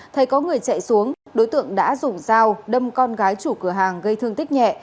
thấy có người chạy xuống đối tượng đã dùng dao đâm con gái chủ cửa hàng gây thương tích nhẹ